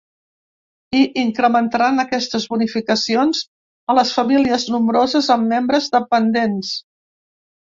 I incrementaran aquestes bonificacions a les famílies nombroses amb membres dependents.